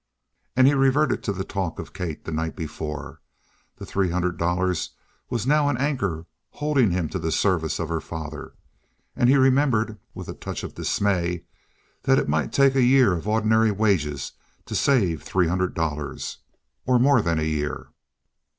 And he reverted to the talk of Kate the night before. That three hundred dollars was now an anchor holding him to the service of her father. And he remembered, with a touch of dismay, that it might take a year of ordinary wages to save three hundred dollars. Or more than a year.